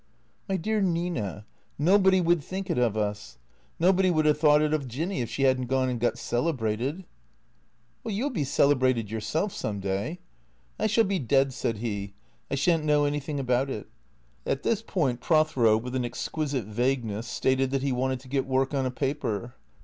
" My dear Nina, nobody would think it of us. Nobody would have thought it of Jinny if she had n't gone and got celebrated." " You '11 be celebrated yourself some day." " I shall be dead," said he. " I shan't know anything about it." At this point Prothero, with an exquisite vagueness, stated that he wanted to get work on a paper.